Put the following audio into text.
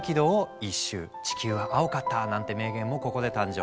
「地球は青かった」なんて名言もここで誕生。